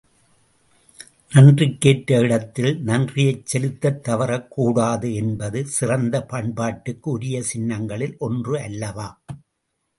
நன்றிக்கு ஏற்ற இடத்தில் நன்றியைச் செலுத்தத் தவறக்கூடாது என்பது சிறந்த பண்பாட்டுக்கு உரிய சின்னங்களில் ஒன்று அல்லவா?